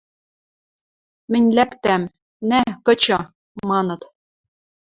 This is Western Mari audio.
Мӹнь лӓктам... нӓ, кычы! – маныт.